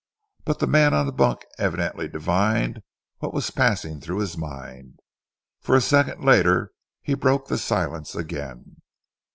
But the man on the bunk evidently divined what was passing through his mind, for a second later he broke the silence again.